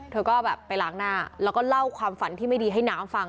เธอก็แบบไปล้างหน้าแล้วก็เล่าความฝันที่ไม่ดีให้น้ำฟัง